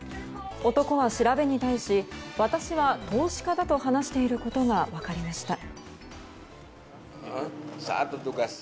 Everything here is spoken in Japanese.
男は、調べに対し私は投資家だと話していることが分かりました。